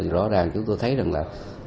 rõ ràng chúng tôi thấy rằng là